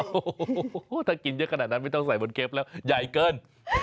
โอ้โหถ้ากินเยอะขนาดนั้นไม่ต้องใส่บนเก๊บแล้วใหญ่เกิน